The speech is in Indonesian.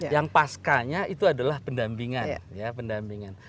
yang pasca nya itu adalah pendampingan